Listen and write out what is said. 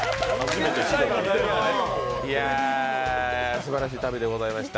すばらしい旅でございました。